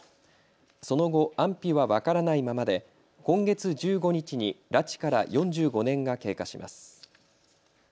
その後、安否は分からないままで今月１５日に拉致から４５年が経過します。